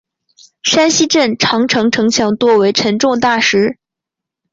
山西镇长城城墙多为沉重大石。